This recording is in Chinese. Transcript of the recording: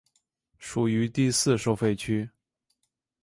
属于第四收费区。